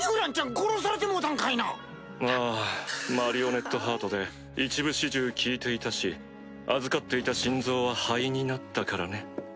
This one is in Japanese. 殺されてもうたんかいな⁉ああマリオネットハートで一部始終聞いていたし預かっていた心臓は灰になったからね。